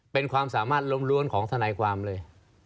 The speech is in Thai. เป็นความสามารถล้วนของทนายความเลย